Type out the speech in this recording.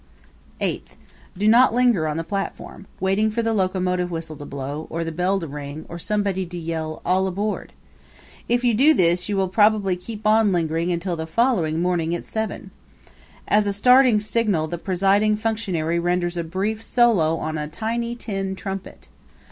Eighth Do not linger on the platform, waiting for the locomotive whistle to blow, or the bell to ring, or somebody to yell "All aboard!" If you do this you will probably keep on lingering until the following morning at seven. As a starting signal the presiding functionary renders a brief solo on a tiny tin trumpet.